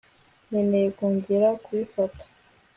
nkeneye kongera kubifata